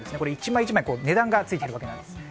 １枚１枚値段がついているんです。